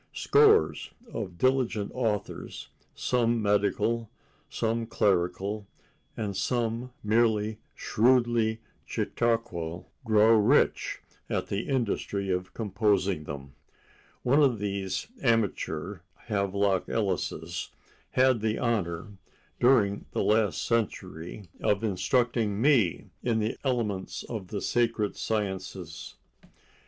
Scores of diligent authors, some medical, some clerical and some merely shrewdly chautauqual, grow rich at the industry of composing them. One of these amateur Havelock Ellises had the honor, during the last century, of instructing me in the elements of the sacred sciences.